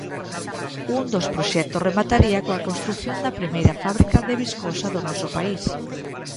Un dos proxectos remataría coa construción da primeira fábrica de viscosa do noso país.